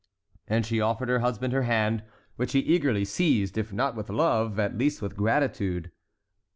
And she offered her husband her hand, which he eagerly seized, if not with love, at least with gratitude.